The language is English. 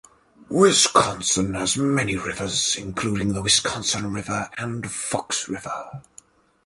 Wisconsin has many rivers including the Wisconsin River and Fox River.